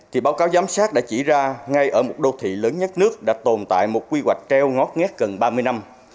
thì báo cáo giám sát đã chỉ ra ngay ở một đô thị lớn nhất nước đã tồn tại một quy hoạch treo ngót ngét gần ba mươi năm